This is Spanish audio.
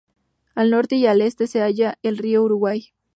Al norte y al este se halla el río Uruguay.